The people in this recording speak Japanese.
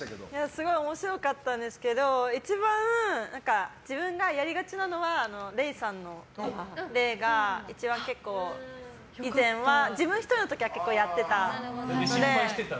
すごい面白かったですけど一番自分がやりがちなのはれいさんの例が一番、以前は自分１人の時はやっていたので。